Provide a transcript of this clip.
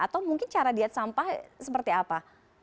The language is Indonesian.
atau mungkin cara diet sampah seperti apa